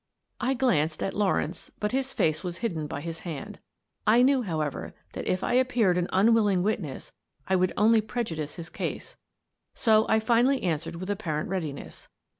I glanced at Lawrence, but his face was hidden by his hand. I knew, however, that if I appeared an unwilling witness I would only prejudice his case, so I finally answered with apparent readiness.